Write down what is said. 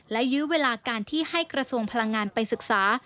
และยื้อเวลาการที่ให้กระทรวงพลังงานไปศึกษา